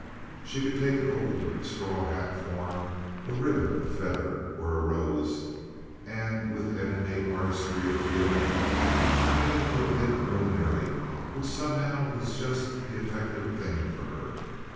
She could take an old straw hat form, a ribbon, a feather, or a rose, and with an innate artistry of feeling turn it into a bit of millinery which somehow was just the effective thing for her.